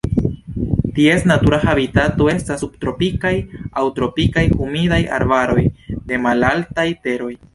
Ties natura habitato estas subtropikaj aŭ tropikaj humidaj arbaroj de malaltaj teroj.